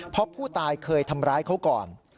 เพราะผู้ตายเคยทำร้ายเขาก่อน